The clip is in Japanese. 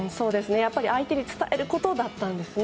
やっぱり相手に伝えることだったんですね。